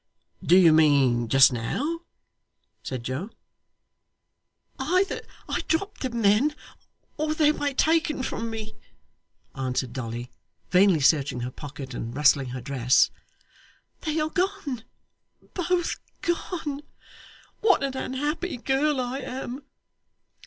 'Do you mean just now?' said Joe. 'Either I dropped them then, or they were taken from me,' answered Dolly, vainly searching her pocket and rustling her dress. 'They are gone, both gone. What an unhappy girl I am!